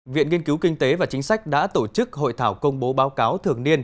viện nghiên cứu kinh tế và chính sách đã tổ chức hội thảo công bố báo cáo thường niên